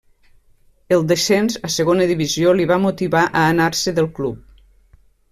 El descens a Segona Divisió li va motivar a anar-se del club.